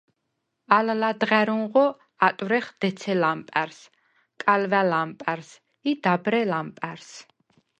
ალ ლადღა̈რუნღო ატვრეხ დეცე ლამპა̈რს, კალვა̈ ლამპა̈რს ი დაბრე ლამპა̈რს.